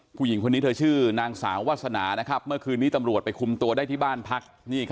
ผู้หญิงคนนี้เธอชื่อนางสาววาสนาเมื่อคืนนี้ตำรวจไปคุมตัวได้ที่บ้านพัก